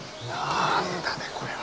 何だねこれは。